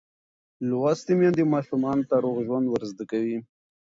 لوستې میندې ماشوم ته روغ ژوند ورزده کوي.